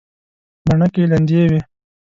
بڼکې لندې وې.